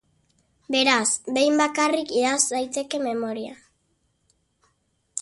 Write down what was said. Beraz, behin bakarrik idatz daiteke memoria.